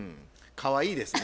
かわいいですね。